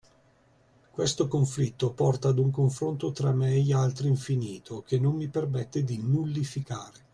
Questo conflitto porta ad un confronto tra me e gli altri infinito che non mi permette di nullificare